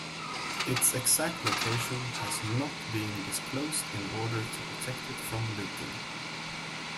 Its exact location has not being disclosed in order to protect it from looting.